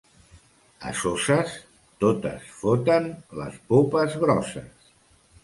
A Soses, totes foten les popes grosses.